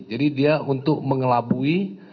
jadi dia untuk mengelabui